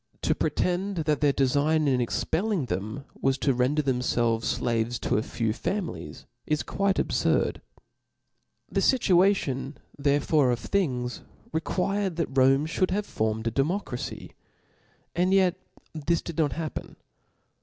To pre tend that their defign in expelling them was to ren der thenifelves (laves to a few families, is quite abfurd. The fituation therefore of things re quired that Rome ftiould have formed a democra fy^ and yet this did not happen.